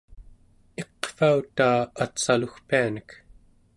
iqvautaa atsalugpianek